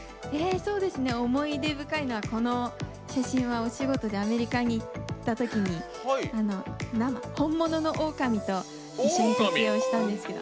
思い出深いのはこの写真はお仕事でアメリカに行ったときに本物のおおかみと写真撮影をしたんですけど。